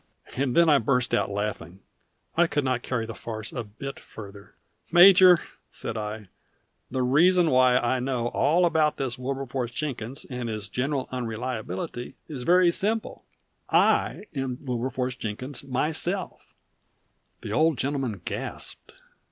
And then I burst out laughing. I could not carry the farce a bit further. "Major," said I, "the reason why I know all about this Wilberforce Jenkins and his general unreliability is very simple I am Wilberforce Jenkins myself." The old gentleman gasped.